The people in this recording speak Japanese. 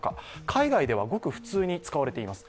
海外ではごく普通に使われています。